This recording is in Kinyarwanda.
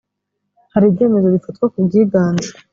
hari ibyemezo bifatwa ku bwiganze